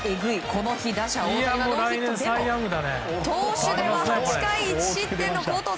この日、打者・大谷はノーヒットも投手では８回１失点の好投。